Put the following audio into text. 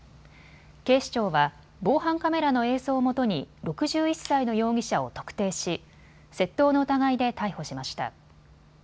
警視庁は防犯カメラの映像をもとに６１歳の容疑者を特定し窃盗の疑いで逮捕しました。